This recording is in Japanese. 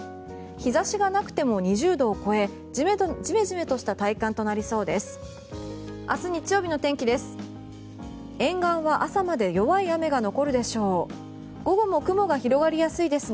日差しがなくても２０度を超えジメジメとした体感となりそうです。